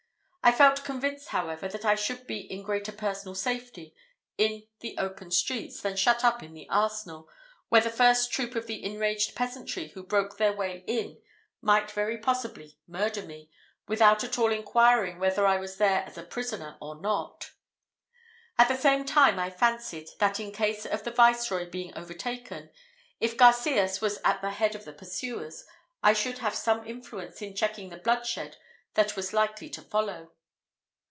I felt convinced, however, that I should be in greater personal safety in the open streets than shut up in the arsenal, where the first troop of the enraged peasantry who broke their way in might very possibly murder me, without at all inquiring whether I was there as a prisoner or not. At the same time I fancied, that in case of the viceroy being overtaken, if Garcias was at the head of the pursuers, I should have some influence in checking the bloodshed that was likely to follow.